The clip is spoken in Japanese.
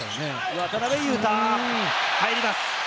渡邊雄太、入ります。